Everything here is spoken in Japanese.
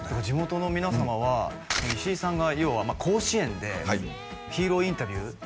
地元のみなさまは石井さんが要は甲子園でヒーローインタビュー